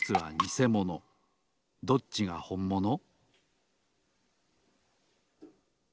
どっちがほんもの？